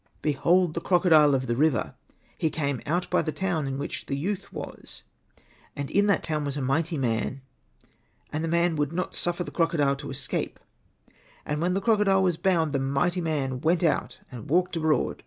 Behold the crocodile of the river, he came out by the town in which the youth was. And in that town w^as a mighty man. And the mighty man would not suffer the croco dile to escape. And when the crocodile was bound, the mighty man went out and walked abroad.